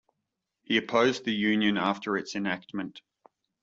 He opposed the Union after its enactment.